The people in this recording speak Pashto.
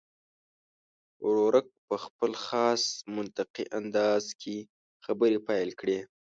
ورورک په خپل خاص منطقي انداز کې خبرې پیل کړې.